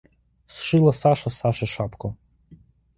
Сшила Саша Саше шапку.